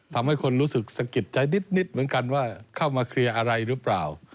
ทำให้คนรู้สึกสะกิดใจนิดเหมือนกันว่าเข้ามาเคลียร์อะไรหรือเปล่า